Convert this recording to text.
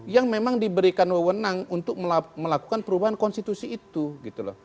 yang memang diberikan wewenang untuk melakukan perubahan konstitusi itu